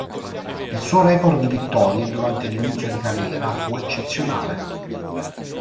Il suo record di vittorie durante l'inizio di carriera fu eccezionale.